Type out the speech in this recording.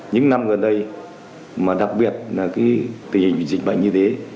những năm gần đây mà đặc biệt là tình hình dịch bệnh như thế